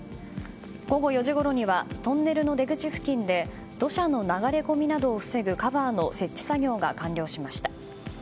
午後４時ごろにはトンネルの出口付近で土砂の流れ込みなどを防ぐカバーの設置作業が完了しました。